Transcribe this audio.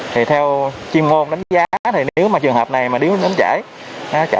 thì theo chuyên ngôn đánh giá thì nếu mà trường hợp này mà điếu đến trễ